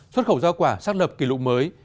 xuất khẩu do quả xác lập kỷ lục mới